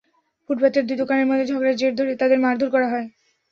ফুটপাতের দুই দোকানির মধ্যে ঝগড়ার জের ধরে তাঁদের মারধর করা হয়।